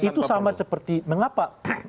itu sama seperti mengapa